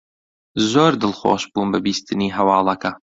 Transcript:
زۆر دڵخۆش بووم بە بیستنی هەواڵەکە.